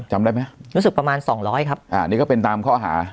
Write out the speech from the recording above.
จำได้ไหมรู้สึกประมาณสองร้อยครับอ่านี่ก็เป็นตามข้อหา